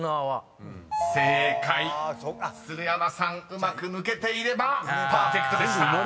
うまく抜けていればパーフェクトでした］